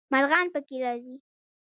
مرغان پکې راځي.